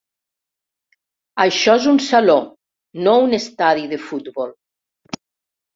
Això és un saló, no un estadi de futbol.